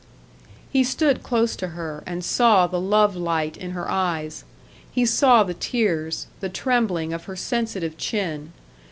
He stood close to her, and saw the love light in her eyes; he saw the tears, the trembling of her sensitive chin.